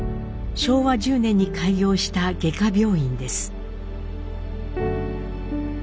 昭和１０年に開業した外科病院です。